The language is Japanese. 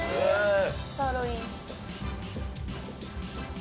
サーロイン。